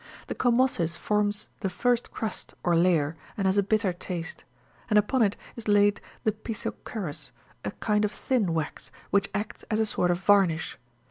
16 The commosis forms the first crust or layer,* and has a bitter taste ; and upon it is laid the pisso ceros, a kind of thin wax, which acts as a sort of varnish.